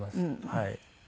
はい。